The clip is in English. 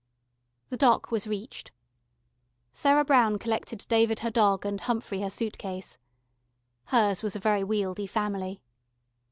The dock was reached. Sarah Brown collected David her Dog, and Humphrey her Suit case. Hers was a very wieldy family.